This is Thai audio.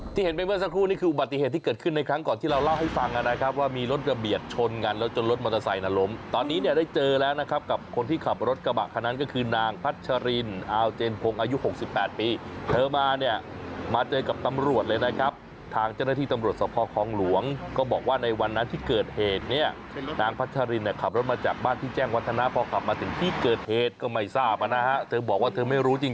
ที่เห็นไปเมื่อสักครู่นี่คืออุบัติเหตุที่เกิดขึ้นในครั้งก่อนที่เราเล่าให้ฟังนะครับว่ามีรถระเบียดชนกันแล้วจนรถมอเตอร์ไซน์หลมตอนนี้เนี่ยได้เจอแล้วนะครับกับคนที่ขับรถกระบะคนนั้นก็คือนางพัชรินอาวเจนพงอายุหกสิบแปดปีเธอมาเนี่ยมาเจอกับตำรวจเลยนะครับทางเจ้าหน้าที่ตำรวจสะพอของหลวง